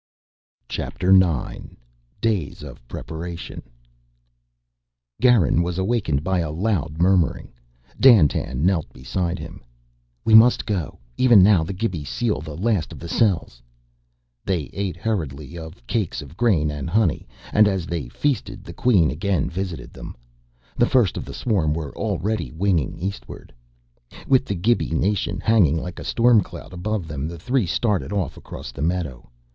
CHAPTER NINE Days of Preparation Garin was awakened by a loud murmuring. Dandtan knelt beside him. "We must go. Even now the Gibi seal the last of the cells." They ate hurriedly of cakes of grain and honey, and, as they feasted, the Queen again visited them. The first of the swarm were already winging eastward. With the Gibi nation hanging like a storm cloud above them, the three started off across the meadow.